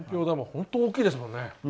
本当大きいですからね。